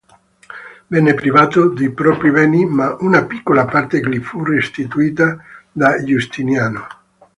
Venne privato dei propri beni, ma una piccola parte gli fu restituita da Giustiniano.